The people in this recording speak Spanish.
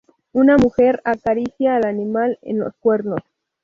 Una mujer acaricia al animal en los cuernos.